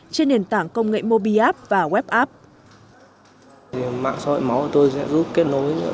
trên nền tảng công nghệ mobiapp và webapp